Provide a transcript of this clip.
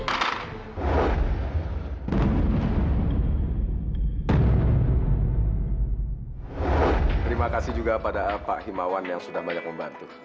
terima kasih juga pada pak himawan yang sudah banyak membantu